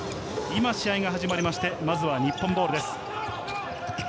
今、試合が始まりまして、まずは日本ボールです。